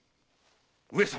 上様。